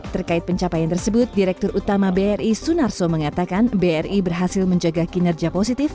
terkait pencapaian tersebut direktur utama bri sunarso mengatakan bri berhasil menjaga kinerja positif